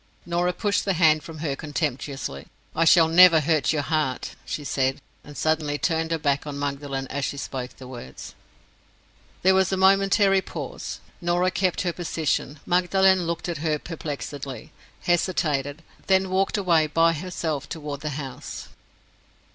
Norah pushed the hand from her contemptuously. "I shall never hurt your heart," she said; and suddenly turned her back on Magdalen as she spoke the words. There was a momentary pause. Norah kept her position. Magdalen looked at her perplexedly—hesitated—then walked away by herself toward the house.